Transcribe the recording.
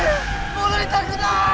戻りたくない！